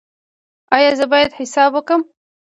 ایا زه باید حساب وکړم؟